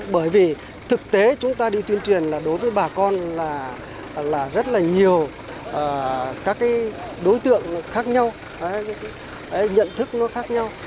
bởi vì thực tế chúng ta đi tuyên truyền là đối với bà con là rất là nhiều các đối tượng khác nhau nhận thức nó khác nhau